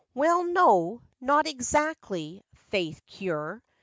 85 'Well, no; not exactly 'faith cure.